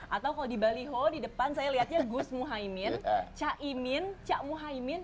atau kalau di baliho di depan saya lihatnya gus muhaymin ca imin ca muhaymin